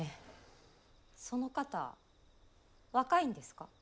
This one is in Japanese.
その方若いんですか？